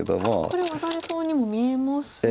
これワタれそうにも見えますが。